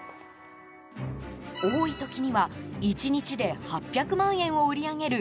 多い時には１日で８００万円を売り上げる